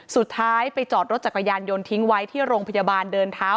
สุดท้ายไปจอดรถจักรยานยนต์ทิ้งไว้ที่โรงพยาบาลเดินเท้า